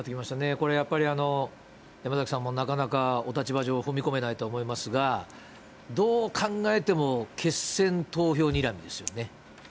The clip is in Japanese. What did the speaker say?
これ、やっぱり山崎さんもなかなかお立場上、踏み込めないとは思いますが、どう考えても決選投票にらみなんですよね。